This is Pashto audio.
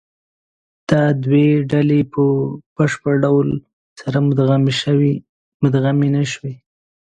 دا دوې ډلې په بشپړ ډول سره مدغمې نهشوې.